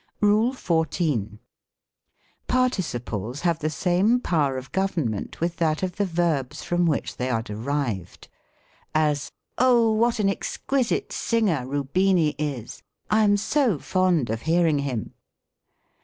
RULE XIV. Participles have the same power of government with that of the verbs from which they are derived : as, " Oh, what an exquisite singer Rubini is ! I am so fond of hearing him."